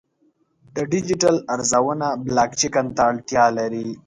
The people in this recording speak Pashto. د ډیجیټل ارزونه بلاکچین ته اړتیا لري.